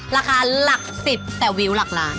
ราคาหลัก๑๐แต่วิวหลักล้าน